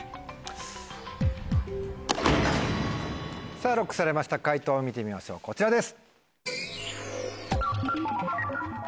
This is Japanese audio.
さぁＬＯＣＫされました解答見てみましょうこちらです。